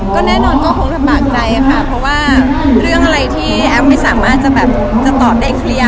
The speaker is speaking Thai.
ก็แน่นอนก็คงลำบากใจค่ะเพราะว่าเรื่องอะไรที่แอฟไม่สามารถจะแบบจะตอบได้เคลียร์